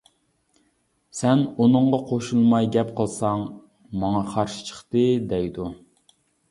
سەن ئۇنىڭغا قوشۇلماي گەپ قىلساڭ، ماڭا قارشى چىقتى دەيدۇ.